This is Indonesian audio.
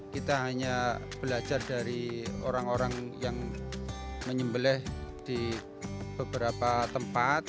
kita hanya belajar dari orang orang yang menyembelih di beberapa tempat